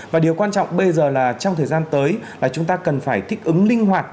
và điều quan trọng bây giờ là trong thời gian tới là chúng ta cần phải thích ứng linh hoạt